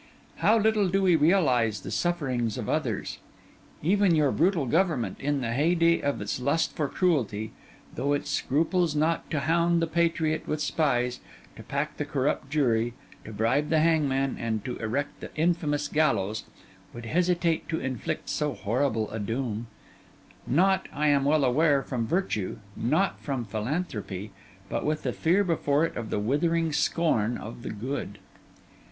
How little do we realise the sufferings of others! Even your brutal Government, in the heyday of its lust for cruelty, though it scruples not to hound the patriot with spies, to pack the corrupt jury, to bribe the hangman, and to erect the infamous gallows, would hesitate to inflict so horrible a doom: not, I am well aware, from virtue, not from philanthropy, but with the fear before it of the withering scorn of the good.